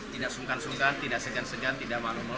tidak sungkan sungkan tidak segan segan tidak malu malu